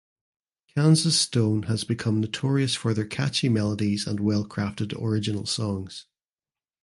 Kansas stone has become notorious for their catchy melodies and well crafted original songs.